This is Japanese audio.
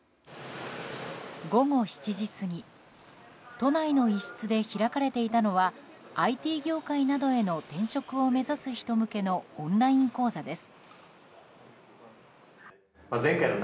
午後７時過ぎ都内の一室で開かれていたのはＩＴ業界などへの転職を目指す人向けのオンライン講座です。